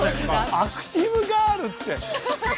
アクティブ・ガールって。